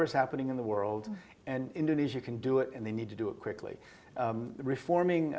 saya pikir indonesia bisa bergerak ke depan